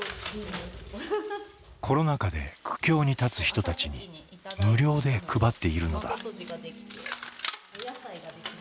コロナ禍で苦境に立つ人たちに無料で配っているのだ。